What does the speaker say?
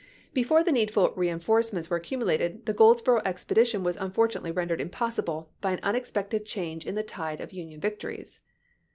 Before the needful reenforcements were accumulated the Goldsboro' expedition was unfor tunately rendered impossible by an unexpected change in the tide of Union victories.